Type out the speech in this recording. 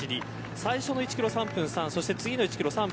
最初の１キロ３分３そして次の１キロ３分